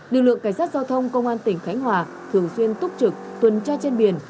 lực lượng cảnh sát giao thông công an tỉnh khánh hòa thường xuyên túc trực tuần tra trên biển